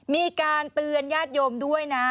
มีการเตือนญาติโยมด้วยนะ